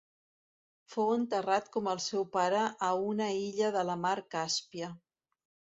Fou enterrat com el seu pare a una illa de la mar Càspia.